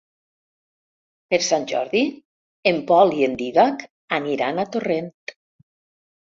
Per Sant Jordi en Pol i en Dídac aniran a Torrent.